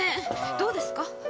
どうですか？